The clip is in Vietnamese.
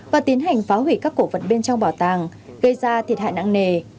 và tiến hành phá hủy các cổ vật bên trong bảo tàng gây ra thiệt hại nặng nề